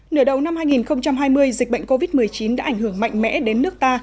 nửa đầu năm hai nghìn hai mươi dịch bệnh covid một mươi chín đã ảnh hưởng mạnh mẽ đến nước ta